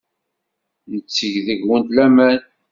Netteg deg-went laman.